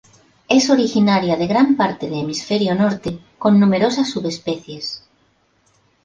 Es originaria de gran parte de hemisferio norte, con numerosas subespecies.